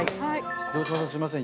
城島さんすいません。